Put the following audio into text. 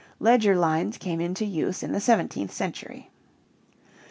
Leger lines came into use in the seventeenth century.